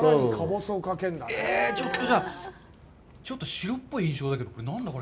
ちょっとじゃあ、ちょっと白っぽい印象だけど何だ、これ。